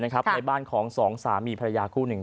ในบ้านของสองสามีภรรยาคู่หนึ่ง